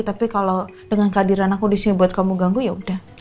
tapi kalau dengan kehadiran aku disini buat kamu ganggu ya udah